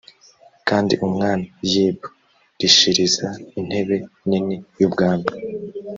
kandi umwami yib rishiriza intebe nini y ubwami